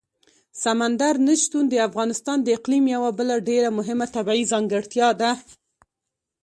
سمندر نه شتون د افغانستان د اقلیم یوه بله ډېره مهمه طبیعي ځانګړتیا ده.